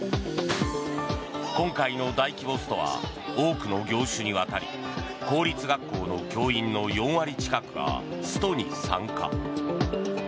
今回の大規模ストは多くの業種にわたり公立学校の教員の４割近くがストに参加。